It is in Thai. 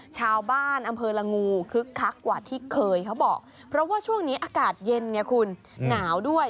ชาวบ้านอำเภอละงูคึกคักกว่าที่เคยเขาบอกเพราะว่าช่วงนี้อากาศเย็นไงคุณหนาวด้วย